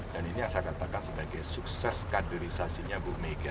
dan ini yang saya katakan sebagai sukses kaderisasinya bu mega